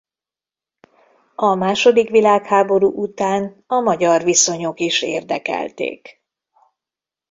A második világháború után a magyar viszonyok is érdekelték.